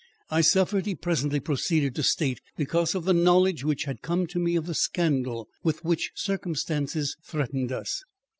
"I suffered," he presently proceeded to state, "because of the knowledge which had come to me of the scandal with which circumstances threatened us.